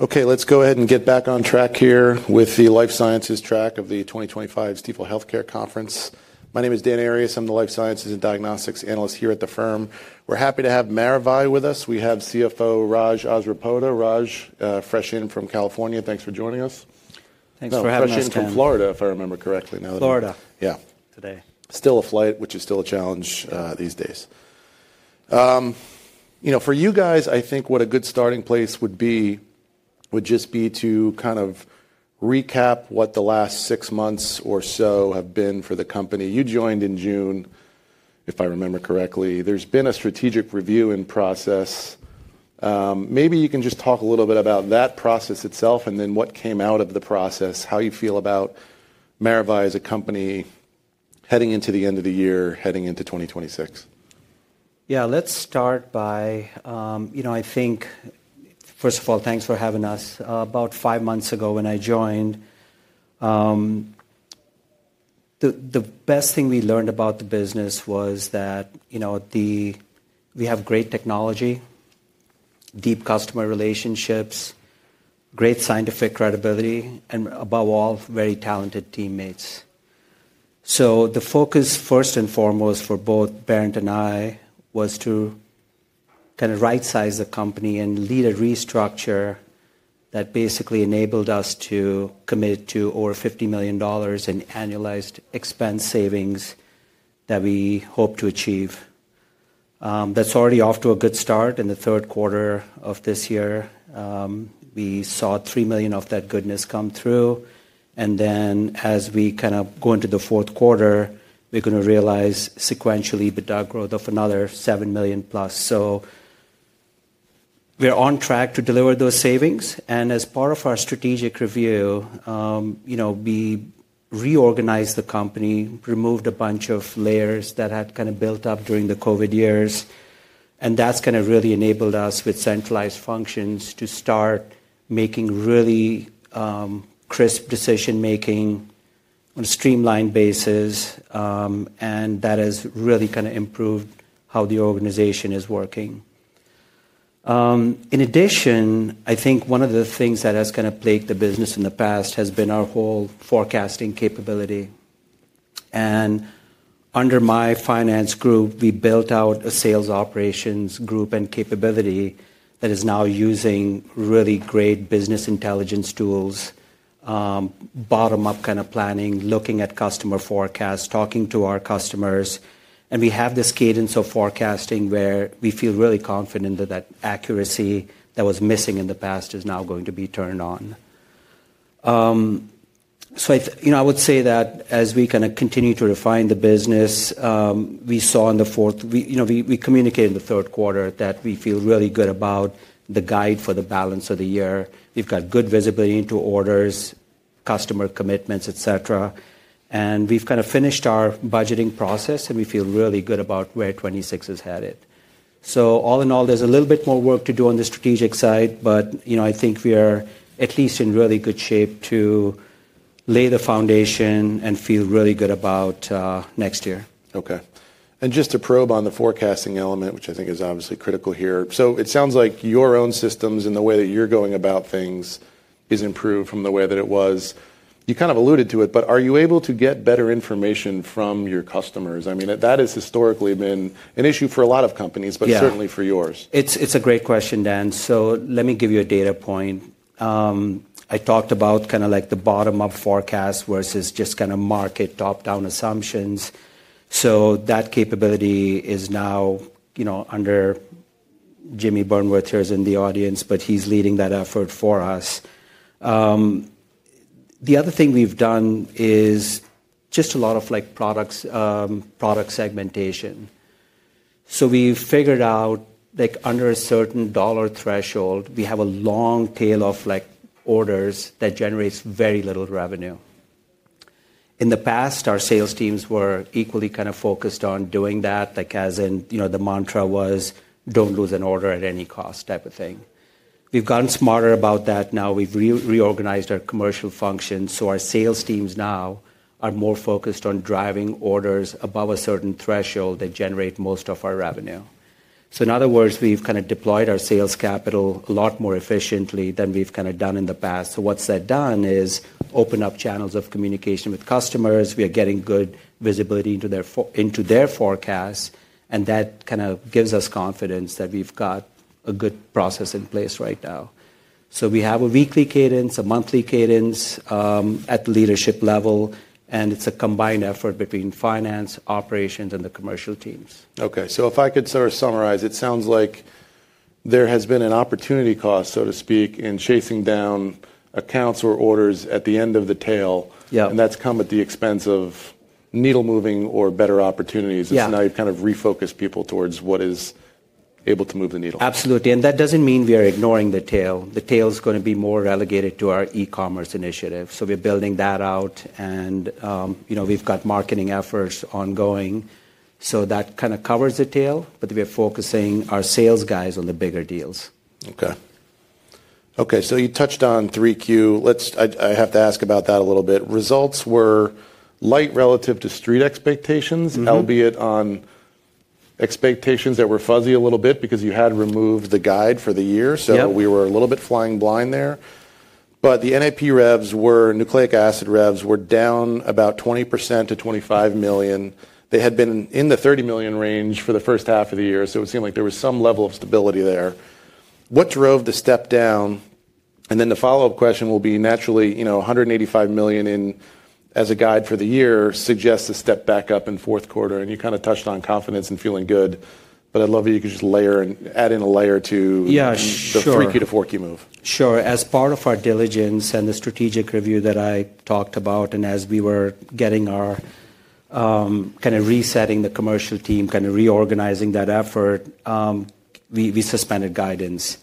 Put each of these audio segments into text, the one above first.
Okay, let's go ahead and get back on track here with the Life Sciences track of the 2025 Stifel Healthcare Conference. My name is Dan Arias. I'm the Life Sciences and Diagnostics Analyst here at the firm. We're happy to have Maravai with us. We have CFO Raj Asarpota. Raj, fresh in from California. Thanks for joining us. Thanks for having us. Fresh in from Florida, if I remember correctly. Florida. Yeah. Today. Still a flight, which is still a challenge these days. You know, for you guys, I think what a good starting place would be would just be to kind of recap what the last six months or so have been for the company. You joined in June, if I remember correctly. There's been a strategic review in process. Maybe you can just talk a little bit about that process itself and then what came out of the process, how you feel about Maravai as a company heading into the end of the year, heading into 2026. Yeah, let's start by, you know, I think, first of all, thanks for having us. About five months ago when I joined, the best thing we learned about the business was that, you know, we have great technology, deep customer relationships, great scientific credibility, and above all, very talented teammates. The focus first and foremost for both Bernd and I was to kind of right-size the company and lead a restructure that basically enabled us to commit to over $50 million in annualized expense savings that we hope to achieve. That's already off to a good start in the third quarter of this year. We saw $3 million of that goodness come through. As we kind of go into the fourth quarter, we're going to realize sequentially the growth of another $7 million plus. We're on track to deliver those savings. As part of our strategic review, you know, we reorganized the company, removed a bunch of layers that had kind of built up during the COVID years. That has kind of really enabled us with centralized functions to start making really crisp decision-making on a streamlined basis. That has really kind of improved how the organization is working. In addition, I think one of the things that has kind of plagued the business in the past has been our whole forecasting capability. Under my finance group, we built out a sales operations group and capability that is now using really great business intelligence tools, bottom-up kind of planning, looking at customer forecasts, talking to our customers. We have this cadence of forecasting where we feel really confident that that accuracy that was missing in the past is now going to be turned on. I, you know, I would say that as we kind of continue to refine the business, we saw in the fourth, you know, we communicated in the third quarter that we feel really good about the guide for the balance of the year. We have good visibility into orders, customer commitments, et cetera. We have kind of finished our budgeting process, and we feel really good about where 2026 is headed. All in all, there is a little bit more work to do on the strategic side, but, you know, I think we are at least in really good shape to lay the foundation and feel really good about next year. Okay. And just to probe on the forecasting element, which I think is obviously critical here. It sounds like your own systems and the way that you're going about things is improved from the way that it was. You kind of alluded to it, but are you able to get better information from your customers? I mean, that has historically been an issue for a lot of companies, but certainly for yours. Yeah, it's a great question, Dan. Let me give you a data point. I talked about kind of like the bottom-up forecast versus just kind of market top-down assumptions. That capability is now, you know, under Jimmy Burnworth, who's in the audience, but he's leading that effort for us. The other thing we've done is just a lot of like products, product segmentation. We've figured out like under a certain dollar threshold, we have a long tail of like orders that generates very little revenue. In the past, our sales teams were equally kind of focused on doing that, like as in, you know, the mantra was, "Don't lose an order at any cost," type of thing. We've gotten smarter about that. Now we've reorganized our commercial functions. Our sales teams now are more focused on driving orders above a certain threshold that generate most of our revenue. In other words, we've kind of deployed our sales capital a lot more efficiently than we've kind of done in the past. What that has done is open up channels of communication with customers. We are getting good visibility into their forecasts, and that kind of gives us confidence that we've got a good process in place right now. We have a weekly cadence, a monthly cadence at the leadership level, and it's a combined effort between finance, operations, and the commercial teams. Okay. If I could sort of summarize, it sounds like there has been an opportunity cost, so to speak, in chasing down accounts or orders at the end of the tail. Yeah. That has come at the expense of needle moving or better opportunities. Yeah. Now you've kind of refocused people towards what is able to move the needle. Absolutely. That does not mean we are ignoring the tail. The tail is going to be more relegated to our e-commerce initiative. We are building that out. You know, we have got marketing efforts ongoing. That kind of covers the tail, but we are focusing our sales guys on the bigger deals. Okay. Okay. So you touched on 3Q. Let's, I have to ask about that a little bit. Results were light relative to street expectations, albeit on expectations that were fuzzy a little bit because you had removed the guide for the year. Yeah. We were a little bit flying blind there. The NAP revs were, nucleic acid revs were down about 20% to $25 million. They had been in the $30 million range for the first half of the year. It seemed like there was some level of stability there. What drove the step down? The follow-up question will be naturally, you know, $185 million in as a guide for the year suggests a step back up in fourth quarter. You kind of touched on confidence and feeling good, but I'd love if you could just layer and add in a layer to. Yeah, sure. The 3Q to 4Q move. Sure. As part of our diligence and the strategic review that I talked about, and as we were getting our kind of resetting the commercial team, kind of reorganizing that effort, we suspended guidance.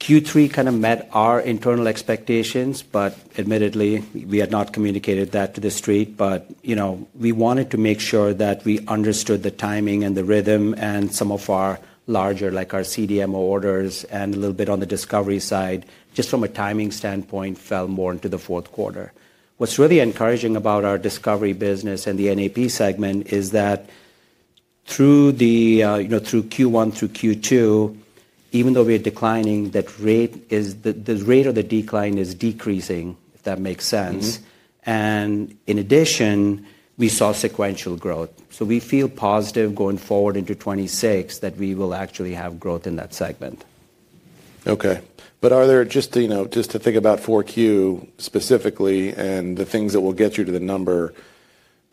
Q3 kind of met our internal expectations, but admittedly, we had not communicated that to the street. You know, we wanted to make sure that we understood the timing and the rhythm, and some of our larger, like our CDMO orders and a little bit on the discovery side, just from a timing standpoint, fell more into the fourth quarter. What's really encouraging about our discovery business and the NAP segment is that through the, you know, through Q1 through Q2, even though we are declining, that rate is, the rate of the decline is decreasing, if that makes sense. In addition, we saw sequential growth. We feel positive going forward into 2026 that we will actually have growth in that segment. Okay. Are there just, you know, just to think about 4Q specifically and the things that will get you to the number,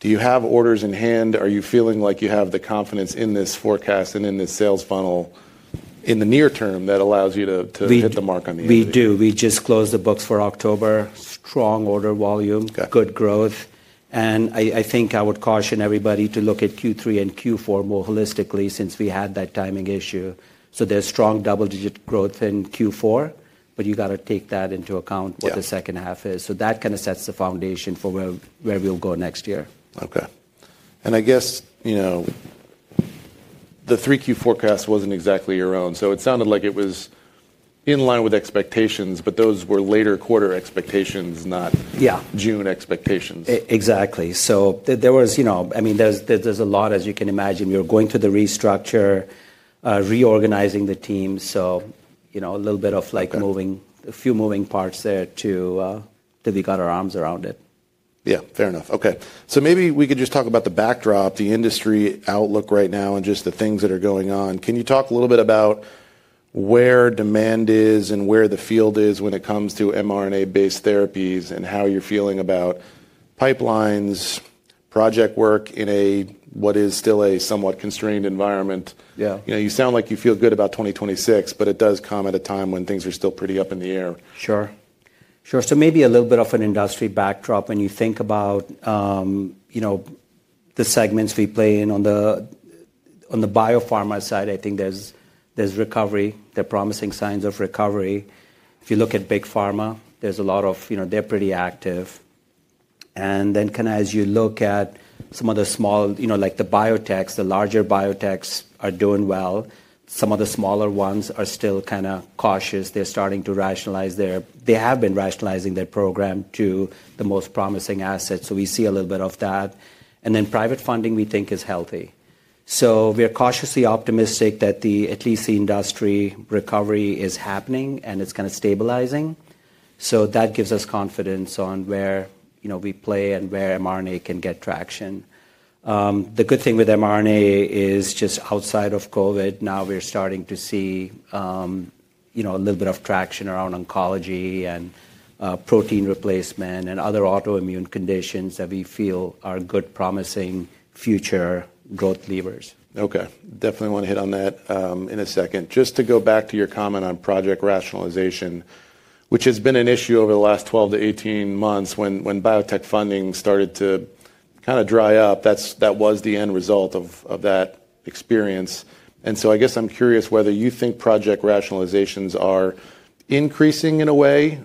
do you have orders in hand? Are you feeling like you have the confidence in this forecast and in this sales funnel in the near term that allows you to hit the mark on the end? We do. We just closed the books for October. Strong order volume. Okay. Good growth. I think I would caution everybody to look at Q3 and Q4 more holistically since we had that timing issue. There is strong double-digit growth in Q4, but you got to take that into account, what the second half is. That kind of sets the foundation for where we'll go next year. Okay. I guess, you know, the 3Q forecast was not exactly your own. It sounded like it was in line with expectations, but those were later quarter expectations, not. Yeah. June expectations. Exactly. There was, you know, I mean, there's a lot, as you can imagine. We were going through the restructure, reorganizing the team. You know, a little bit of like moving, a few moving parts there too that we got our arms around. Yeah, fair enough. Okay. Maybe we could just talk about the backdrop, the industry outlook right now, and just the things that are going on. Can you talk a little bit about where demand is and where the field is when it comes to mRNA-based therapies and how you're feeling about pipelines, project work in a, what is still a somewhat constrained environment? Yeah. You know, you sound like you feel good about 2026, but it does come at a time when things are still pretty up in the air. Sure. Sure. Maybe a little bit of an industry backdrop when you think about, you know, the segments we play in on the biopharma side, I think there's recovery. There are promising signs of recovery. If you look at big pharma, there's a lot of, you know, they're pretty active. As you look at some of the small, you know, like the biotechs, the larger biotechs are doing well. Some of the smaller ones are still kind of cautious. They're starting to rationalize their, they have been rationalizing their program to the most promising assets. We see a little bit of that. Private funding, we think, is healthy. We're cautiously optimistic that at least the industry recovery is happening and it's kind of stabilizing. That gives us confidence on where, you know, we play and where mRNA can get traction. The good thing with mRNA is just outside of COVID, now we're starting to see, you know, a little bit of traction around oncology and protein replacement and other autoimmune conditions that we feel are good, promising future growth levers. Okay. Definitely want to hit on that in a second. Just to go back to your comment on project rationalization, which has been an issue over the last 12 to 18 months when biotech funding started to kind of dry up, that was the end result of that experience. I guess I'm curious whether you think project rationalizations are increasing in a way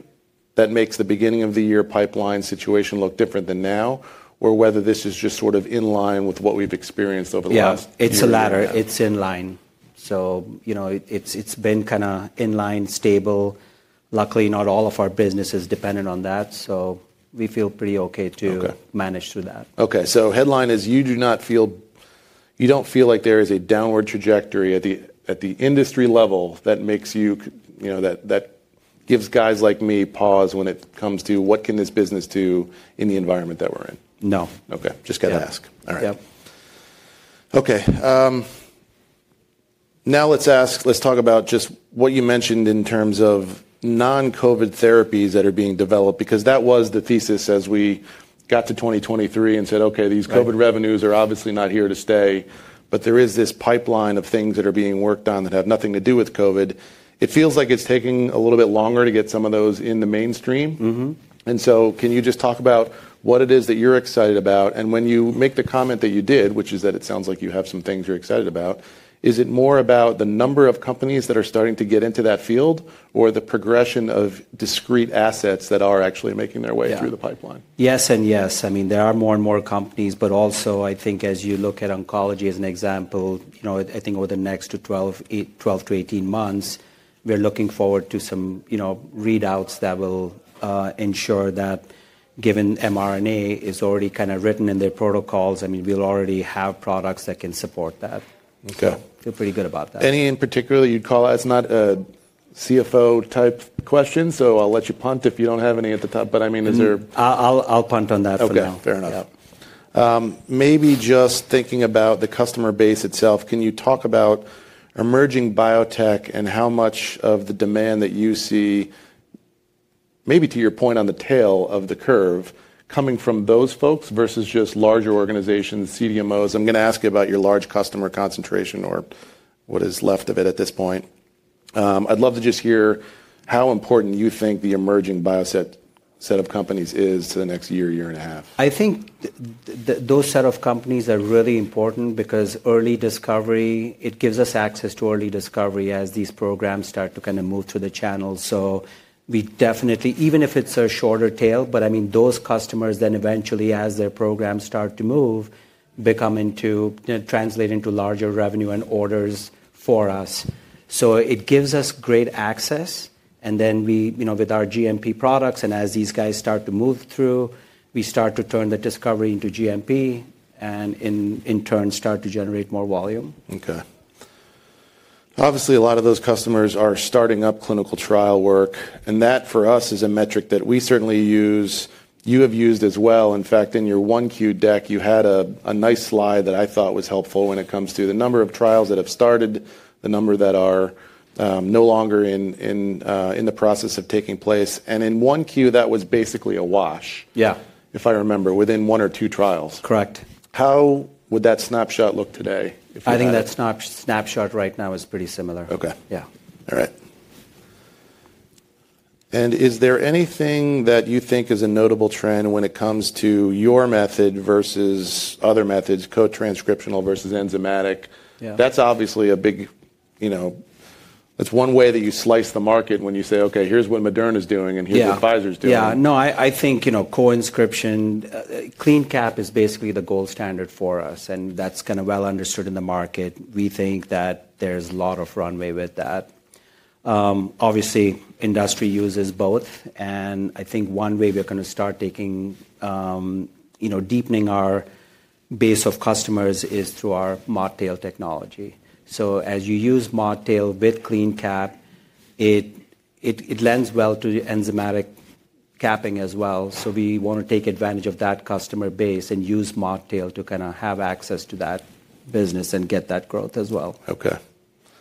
that makes the beginning of the year pipeline situation look different than now, or whether this is just sort of in line with what we've experienced over the last. Yeah, it's a ladder. It's in line. So, you know, it's been kind of in line, stable. Luckily, not all of our businesses depended on that. So we feel pretty okay to manage through that. Okay. So headline is you do not feel, you don't feel like there is a downward trajectory at the industry level that makes you, you know, that gives guys like me pause when it comes to what can this business do in the environment that we're in? No. Okay. Just got to ask. Yeah. All right. Yep. Okay. Now let's ask, let's talk about just what you mentioned in terms of non-COVID therapies that are being developed, because that was the thesis as we got to 2023 and said, okay, these COVID revenues are obviously not here to stay, but there is this pipeline of things that are being worked on that have nothing to do with COVID. It feels like it's taking a little bit longer to get some of those in the mainstream. Can you just talk about what it is that you're excited about? When you make the comment that you did, which is that it sounds like you have some things you're excited about, is it more about the number of companies that are starting to get into that field or the progression of discrete assets that are actually making their way through the pipeline? Yes and yes. I mean, there are more and more companies, but also I think as you look at oncology as an example, you know, I think over the next 12 to 18 months, we're looking forward to some, you know, readouts that will ensure that given mRNA is already kind of written in their protocols, I mean, we'll already have products that can support that. Okay. Feel pretty good about that. Any in particular that you'd call out? It's not a CFO type question, so I'll let you punt if you don't have any at the top, but I mean, is there. I'll punt on that for now. Okay. Fair enough. Yep. Maybe just thinking about the customer base itself, can you talk about emerging biotech and how much of the demand that you see, maybe to your point on the tail of the curve, coming from those folks versus just larger organizations, CDMOs? I'm going to ask you about your large customer concentration or what is left of it at this point. I'd love to just hear how important you think the emerging bio set of companies is to the next year, year and a half. I think those set of companies are really important because early discovery, it gives us access to early discovery as these programs start to kind of move through the channel. We definitely, even if it's a shorter tail, but I mean, those customers then eventually, as their programs start to move, become into, translate into larger revenue and orders for us. It gives us great access. We, you know, with our GMP products, and as these guys start to move through, we start to turn the discovery into GMP and in turn start to generate more volume. Okay. Obviously, a lot of those customers are starting up clinical trial work, and that for us is a metric that we certainly use, you have used as well. In fact, in your 1Q deck, you had a nice slide that I thought was helpful when it comes to the number of trials that have started, the number that are no longer in the process of taking place. In 1Q, that was basically a wash. Yeah. If I remember, within one or two trials. Correct. How would that snapshot look today? I think that snapshot right now is pretty similar. Okay. Yeah. All right. Is there anything that you think is a notable trend when it comes to your method versus other methods, co-transcriptional versus enzymatic? Yeah. That's obviously a big, you know, that's one way that you slice the market when you say, okay, here's what Moderna is doing and here's what Pfizer is doing. Yeah. No, I think, you know, co-inscription, CleanCap is basically the gold standard for us, and that's kind of well understood in the market. We think that there's a lot of runway with that. Obviously, industry uses both. I think one way we're going to start taking, you know, deepening our base of customers is through our Mocktail technology. As you use Mocktail with CleanCap, it lends well to enzymatic capping as well. We want to take advantage of that customer base and use Mocktail to kind of have access to that business and get that growth as well. Okay.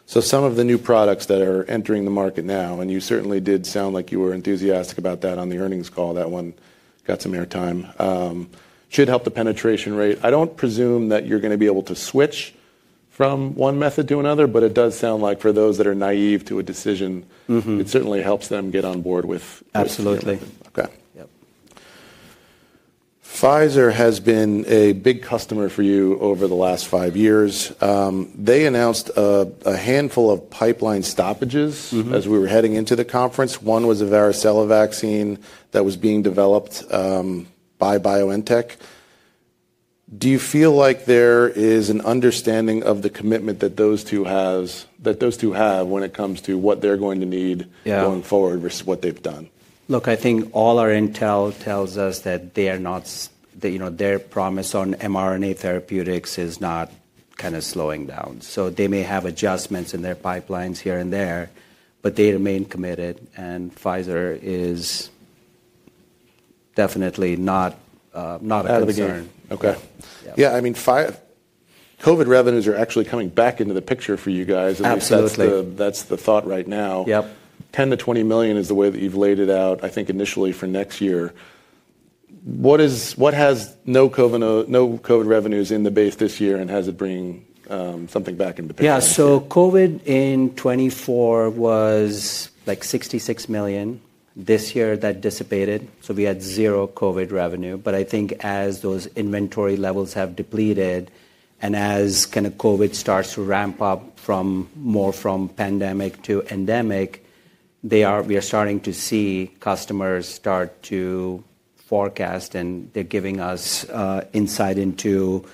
Some of the new products that are entering the market now, and you certainly did sound like you were enthusiastic about that on the earnings call, that one got some airtime, should help the penetration rate. I do not presume that you are going to be able to switch from one method to another, but it does sound like for those that are naive to a decision, it certainly helps them get on board with. Absolutely. Okay. Yep. Pfizer has been a big customer for you over the last five years. They announced a handful of pipeline stoppages as we were heading into the conference. One was a varicella vaccine that was being developed by BioNTech. Do you feel like there is an understanding of the commitment that those two have, that those two have when it comes to what they're going to need going forward versus what they've done? Look, I think all our intel tells us that they are not, you know, their promise on mRNA therapeutics is not kind of slowing down. They may have adjustments in their pipelines here and there, but they remain committed. Pfizer is definitely not a concern. Okay. Yeah, I mean, COVID revenues are actually coming back into the picture for you guys. Absolutely. That's the thought right now. Yep. 10-20 million is the way that you've laid it out, I think, initially for next year. What has no COVID revenues in the base this year and has it bringing something back into the picture? Yeah. COVID in 2024 was like $66 million. This year that dissipated. We had zero COVID revenue. I think as those inventory levels have depleted and as COVID starts to ramp up more from pandemic to endemic, we are starting to see customers start to forecast and they're giving us insight into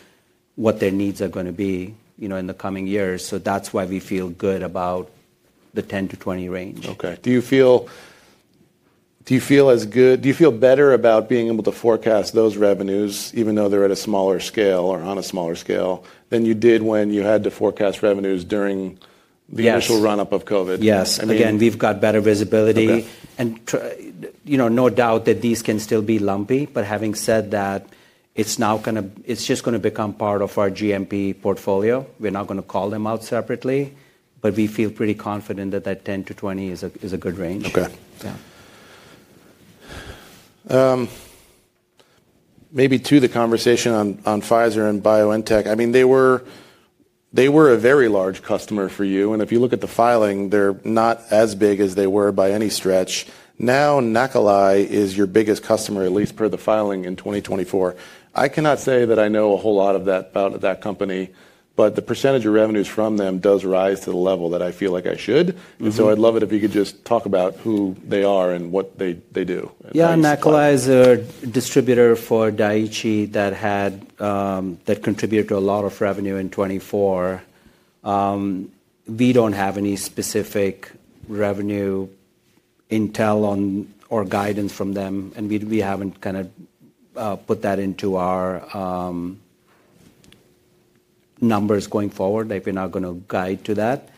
what their needs are going to be, you know, in the coming years. That's why we feel good about the 10-20 range. Okay. Do you feel, do you feel as good, do you feel better about being able to forecast those revenues even though they're at a smaller scale or on a smaller scale than you did when you had to forecast revenues during the initial run-up of COVID? Yes. Again, we've got better visibility. You know, no doubt that these can still be lumpy, but having said that, it's now kind of, it's just going to become part of our GMP portfolio. We're not going to call them out separately, but we feel pretty confident that that 10-20 is a good range. Okay. Yeah. Maybe to the conversation on Pfizer and BioNTech, I mean, they were a very large customer for you. If you look at the filing, they're not as big as they were by any stretch. Now, Nakulai is your biggest customer, at least per the filing in 2024. I cannot say that I know a whole lot about that company, but the percentage of revenues from them does rise to the level that I feel like I should. I would love it if you could just talk about who they are and what they do. Yeah. Nakulai is a distributor for Daiichi that contributed to a lot of revenue in 2024. We do not have any specific revenue intel on or guidance from them. We have not kind of put that into our numbers going forward. Like, we are not going to guide to that.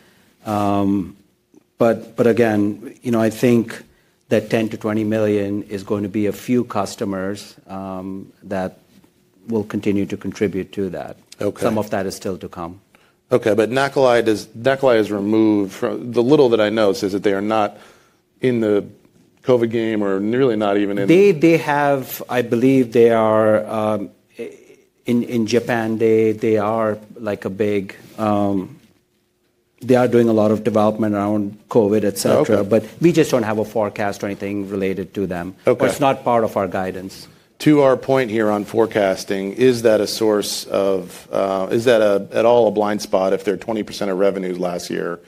Again, you know, I think that $10 million-$20 million is going to be a few customers that will continue to contribute to that. Some of that is still to come. Okay. Nakulai is removed from the little that I know says that they are not in the COVID game or nearly not even in. They have, I believe they are in Japan, they are like a big, they are doing a lot of development around COVID, et cetera. We just do not have a forecast or anything related to them. Okay. It is not part of our guidance. To our point here on forecasting, is that a source of, is that at all a blind spot if they're 20% of revenues last year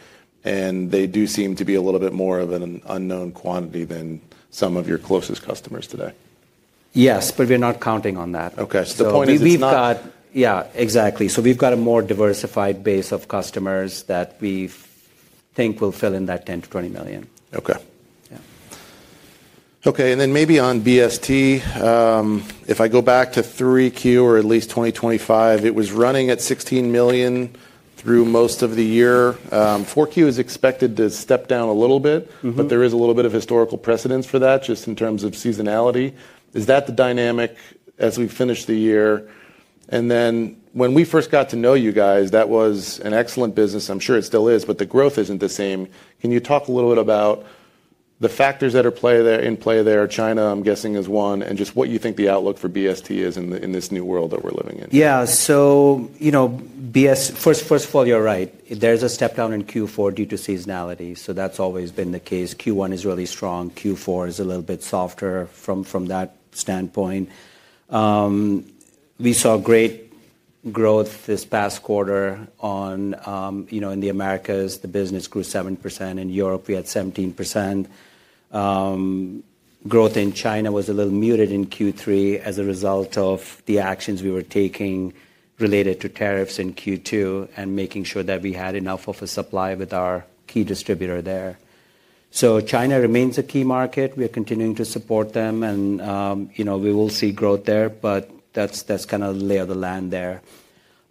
and they do seem to be a little bit more of an unknown quantity than some of your closest customers today? Yes, but we're not counting on that. Okay. So the point is to. Yeah, exactly. We've got a more diversified base of customers that we think will fill in that $10-$20 million. Okay. Yeah. Okay. And then maybe on BST, if I go back to 3Q or at least 2025, it was running at $16 million through most of the year. 4Q is expected to step down a little bit, but there is a little bit of historical precedence for that just in terms of seasonality. Is that the dynamic as we finish the year? When we first got to know you guys, that was an excellent business. I'm sure it still is, but the growth is not the same. Can you talk a little bit about the factors that are in play there? China, I'm guessing, is one, and just what you think the outlook for BST is in this new world that we are living in. Yeah. So, you know, first of all, you're right. There's a step down in Q4 due to seasonality. That's always been the case. Q1 is really strong. Q4 is a little bit softer from that standpoint. We saw great growth this past quarter on, you know, in the Americas, the business grew 7%. In Europe, we had 17%. Growth in China was a little muted in Q3 as a result of the actions we were taking related to tariffs in Q2 and making sure that we had enough of a supply with our key distributor there. China remains a key market. We are continuing to support them and, you know, we will see growth there, but that's kind of the lay of the land there.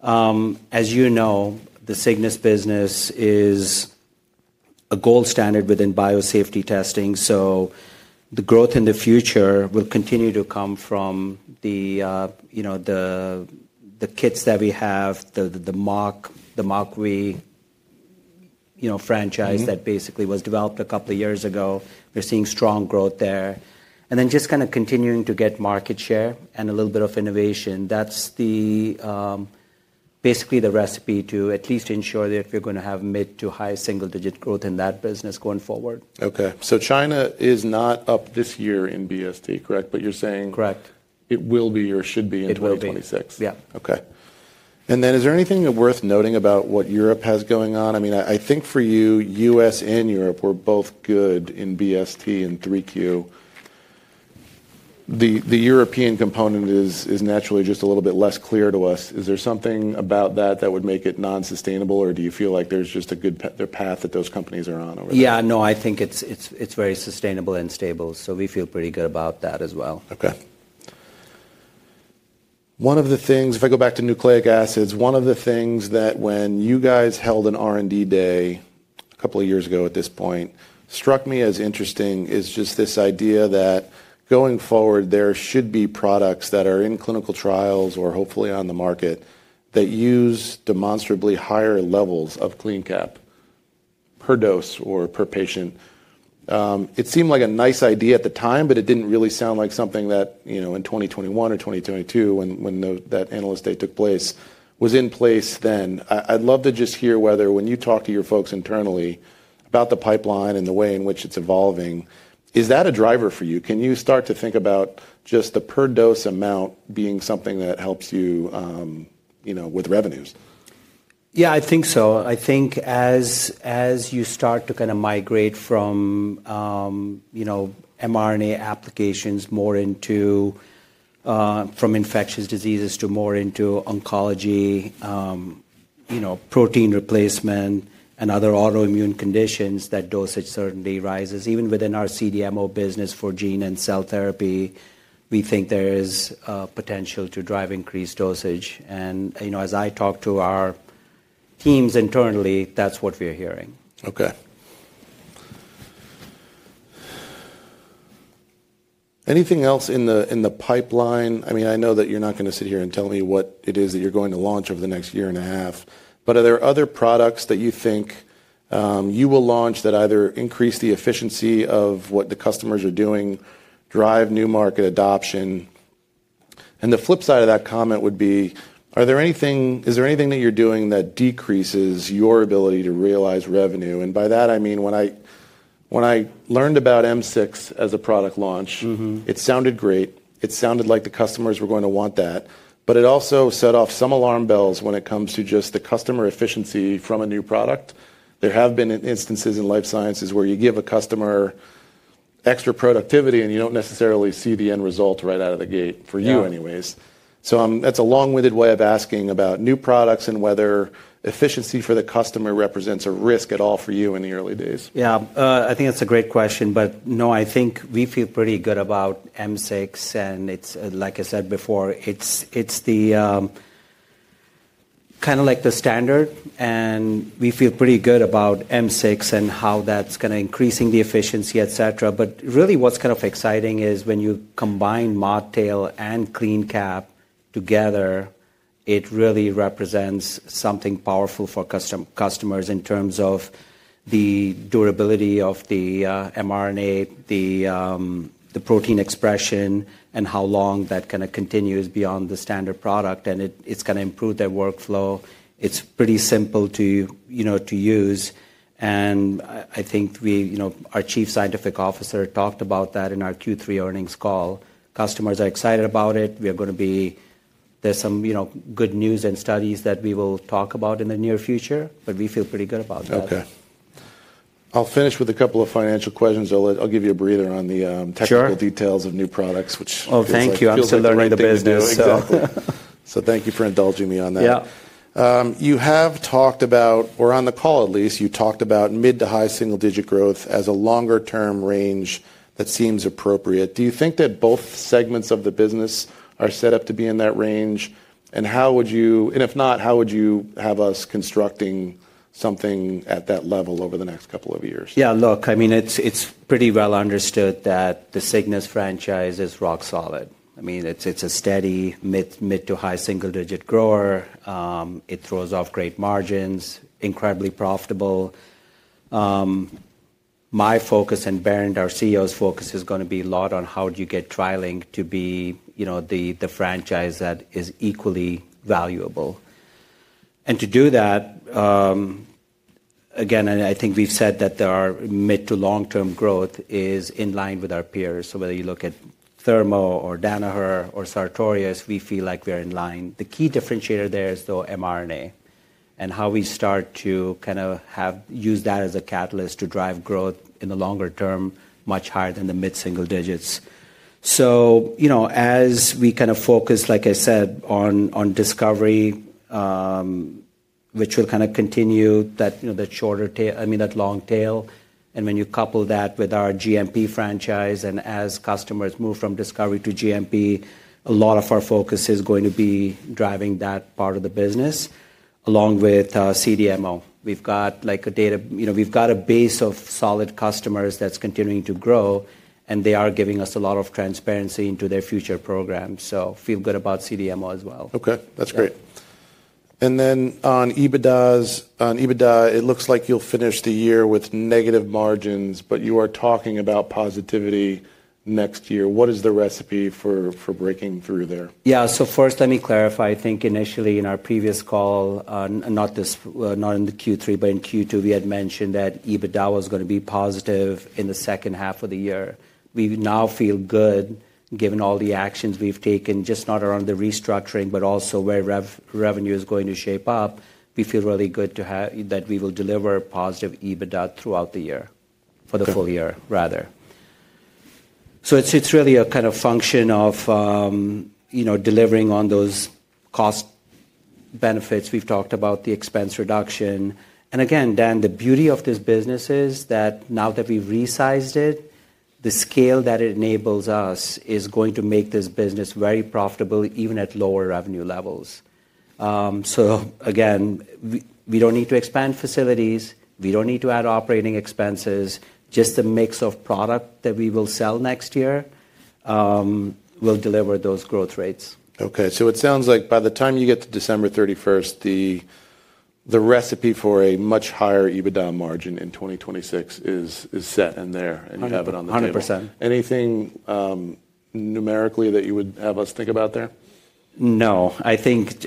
As you know, the Cygnus business is a gold standard within biosafety testing. The growth in the future will continue to come from the, you know, the kits that we have, the Mocktail, the Mocktail, we, you know, franchise that basically was developed a couple of years ago. We're seeing strong growth there. And then just kind of continuing to get market share and a little bit of innovation. That's basically the recipe to at least ensure that we're going to have mid to high single-digit growth in that business going forward. Okay. So China is not up this year in BST, correct? But you're saying. Correct. It will be or should be in 2026. It will be. Yeah. Okay. And then is there anything that's worth noting about what Europe has going on? I mean, I think for you, U.S. and Europe were both good in BST in 3Q. The European component is naturally just a little bit less clear to us. Is there something about that that would make it non-sustainable, or do you feel like there's just a good path that those companies are on over there? Yeah. No, I think it's very sustainable and stable. So we feel pretty good about that as well. Okay. One of the things, if I go back to nucleic acids, one of the things that when you guys held an R&D day a couple of years ago at this point struck me as interesting is just this idea that going forward, there should be products that are in clinical trials or hopefully on the market that use demonstrably higher levels of CleanCap per dose or per patient. It seemed like a nice idea at the time, but it did not really sound like something that, you know, in 2021 or 2022, when that analyst day took place, was in place then. I'd love to just hear whether when you talk to your folks internally about the pipeline and the way in which it's evolving, is that a driver for you? Can you start to think about just the per dose amount being something that helps you, you know, with revenues? Yeah, I think so. I think as you start to kind of migrate from, you know, mRNA applications more into from infectious diseases to more into oncology, you know, protein replacement and other autoimmune conditions, that dosage certainly rises. Even within our CDMO business for gene and cell therapy, we think there is potential to drive increased dosage. You know, as I talk to our teams internally, that's what we're hearing. Okay. Anything else in the pipeline? I mean, I know that you're not going to sit here and tell me what it is that you're going to launch over the next year and a half, but are there other products that you think you will launch that either increase the efficiency of what the customers are doing, drive new market adoption? The flip side of that comment would be, are there anything, is there anything that you're doing that decreases your ability to realize revenue? By that, I mean, when I learned about M6 as a product launch, it sounded great. It sounded like the customers were going to want that, but it also set off some alarm bells when it comes to just the customer efficiency from a new product. There have been instances in life sciences where you give a customer extra productivity and you do not necessarily see the end result right out of the gate for you anyways. That is a long-winded way of asking about new products and whether efficiency for the customer represents a risk at all for you in the early days. Yeah. I think that's a great question, but no, I think we feel pretty good about M6. And it's, like I said before, it's kind of like the standard. And we feel pretty good about M6 and how that's kind of increasing the efficiency, et cetera. Really what's kind of exciting is when you combine Mocktail and CleanCap together, it really represents something powerful for customers in terms of the durability of the mRNA, the protein expression, and how long that kind of continues beyond the standard product. It's going to improve their workflow. It's pretty simple to, you know, to use. I think we, you know, our Chief Scientific Officer talked about that in our Q3 earnings call. Customers are excited about it. We are going to be, there's some, you know, good news and studies that we will talk about in the near future, but we feel pretty good about that. Okay. I'll finish with a couple of financial questions. I'll give you a breather on the technical details of new products, which. Oh, thank you. I'm still learning the business. Thank you for indulging me on that. Yeah. You have talked about, or on the call at least, you talked about mid to high single-digit growth as a longer-term range that seems appropriate. Do you think that both segments of the business are set up to be in that range? If not, how would you have us constructing something at that level over the next couple of years? Yeah. Look, I mean, it's pretty well understood that the Cygnus franchise is rock solid. I mean, it's a steady mid to high single-digit grower. It throws off great margins, incredibly profitable. My focus and Bernd, our CEO's focus is going to be a lot on how do you get TriLink to be, you know, the franchise that is equally valuable. To do that, again, I think we've said that our mid to long-term growth is in line with our peers. Whether you look at Thermo or Danaher or Sartorius, we feel like we're in line. The key differentiator there is the mRNA and how we start to kind of have use that as a catalyst to drive growth in the longer term, much higher than the mid single digits. You know, as we kind of focus, like I said, on discovery, which will kind of continue that, you know, that shorter tail, I mean, that long tail. When you couple that with our GMP franchise and as customers move from discovery to GMP, a lot of our focus is going to be driving that part of the business along with CDMO. We've got a base of solid customers that's continuing to grow and they are giving us a lot of transparency into their future program. Feel good about CDMO as well. Okay. That's great. Then on EBITDA, it looks like you'll finish the year with negative margins, but you are talking about positivity next year. What is the recipe for breaking through there? Yeah. First, let me clarify. I think initially in our previous call, not in the Q3, but in Q2, we had mentioned that EBITDA was going to be positive in the second half of the year. We now feel good given all the actions we've taken, just not around the restructuring, but also where revenue is going to shape up. We feel really good to have that we will deliver positive EBITDA throughout the year for the full year rather. It is really a kind of function of, you know, delivering on those cost benefits. We've talked about the expense reduction. Again, Dan, the beauty of this business is that now that we've resized it, the scale that it enables us is going to make this business very profitable even at lower revenue levels. Again, we do not need to expand facilities. We don't need to add operating expenses. Just the mix of product that we will sell next year will deliver those growth rates. Okay. So it sounds like by the time you get to December 31, the recipe for a much higher EBITDA margin in 2026 is set in there and you have it on the table. 100%. Anything numerically that you would have us think about there? No. I think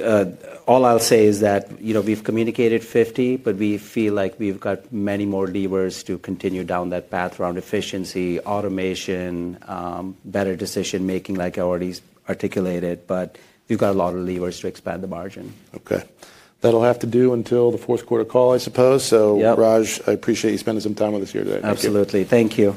all I'll say is that, you know, we've communicated 50, but we feel like we've got many more levers to continue down that path around efficiency, automation, better decision-making like I already articulated, but we've got a lot of levers to expand the margin. Okay. That'll have to do until the fourth quarter call, I suppose. So, Raj, I appreciate you spending some time with us here today. Absolutely. Thank you.